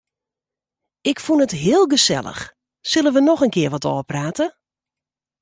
Ik fûn it heel gesellich, sille wy noch in kear wat ôfprate?